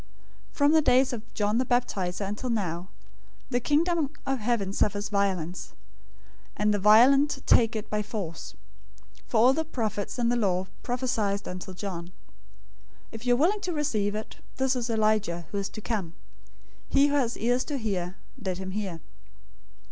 011:012 From the days of John the Baptizer until now, the Kingdom of Heaven suffers violence, and the violent take it by force.{or, plunder it.} 011:013 For all the prophets and the law prophesied until John. 011:014 If you are willing to receive it, this is Elijah, who is to come. 011:015 He who has ears to hear, let him hear.